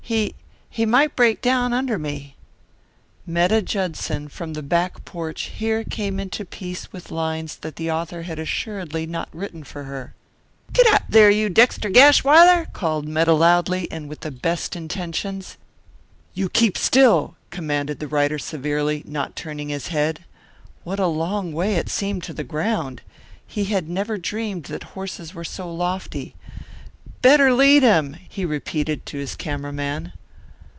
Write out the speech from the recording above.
He he might break down under me." Metta Judson, from the back porch, here came into the piece with lines that the author had assuredly not written for her. "Giddap, there, you Dexter Gashwiler," called Metta loudly and with the best intentions. "You keep still," commanded the rider severely, not turning his head. What a long way it seemed to the ground! He had never dreamed that horses were so lofty. "Better lead him," he repeated to his camera man.